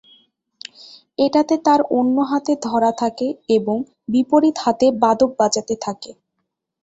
এটাতে তার অন্য হাতে ধরা থাকে এবং বিপরীত হাতে বাদক বাজাতে থাকে।